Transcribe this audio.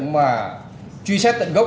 mà truy xét tận gốc